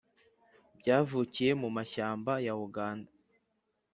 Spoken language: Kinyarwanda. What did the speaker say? byavukiye mu mashyamba ya uganda.